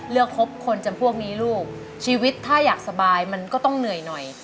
ครบคนจำพวกนี้ลูกชีวิตถ้าอยากสบายมันก็ต้องเหนื่อยหน่อย